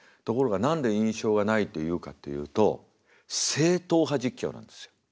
ところが何で印象がないというかっていうと正統派実況なんですよ。